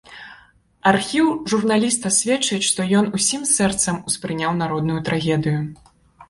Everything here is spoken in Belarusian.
Архіў журналіста сведчыць, што ён усім сэрцам успрыняў народную трагедыю.